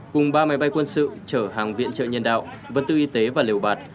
cùng ba máy bay quân sự trở hàng viện trợ nhân đạo vân tư y tế và liều bạt